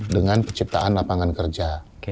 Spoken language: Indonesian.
dengan penciptaan lapangan kerja